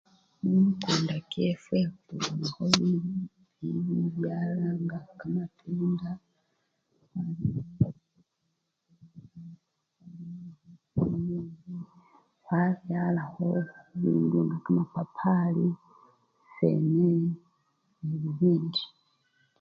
Mumikunda kyefwe khuuuli! khubyalanga kamatunda uuuuuuu khwabyalakho lundi kamapapari nebibindi.